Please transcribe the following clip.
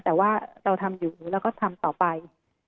แต่ว่าเราทำอยู่เราก็ทำต่อไป